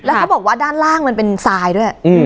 แล้วก็ไปซ่อนไว้ในคานหลังคาของโรงรถอีกทีนึง